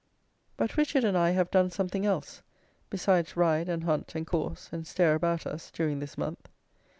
But Richard and I have done something else, besides ride, and hunt, and course, and stare about us, during this month.